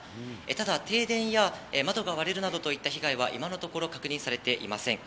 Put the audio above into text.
ただ、停電や窓が割れるなどといった被害は今のところ、確認されていません。